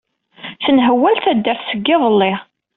Tenhewwal taddart seg yiḍelli